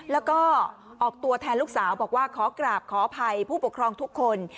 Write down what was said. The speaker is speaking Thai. แล้วก็ออกตัวแทนลูกสาวบอกว่าขอกราบขออภัยผู้ปกครองทุกคน